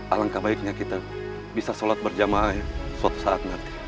alangkah baiknya kita bisa sholat berjamaah suatu saat nanti